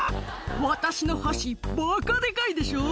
私の箸、ばかでかいでしょ？